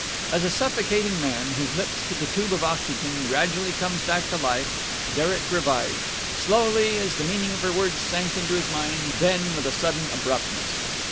As a suffocating man, his lips to the tube of oxygen, gradually comes back to life, Derek revived slowly as the meaning of her words sank into his mind, then with a sudden abruptness.